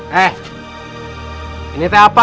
hei ini teh apa